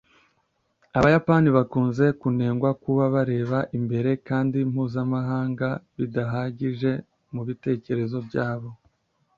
abayapani bakunze kunengwa kuba bareba imbere kandi mpuzamahanga bidahagije mubitekerezo byabo